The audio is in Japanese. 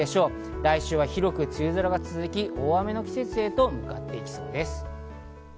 来週は広く梅雨空が続き、大雨の季節へと向かっていきそうです。